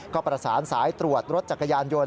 ก็ประสานสายตรวจรถจักรยานยนต